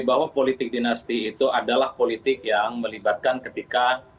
bahwa politik dinasti itu adalah politik yang melibatkan ketika